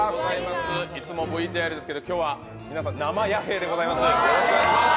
いつもＶＴＲですけれども、今日は皆さん、生弥平でございます。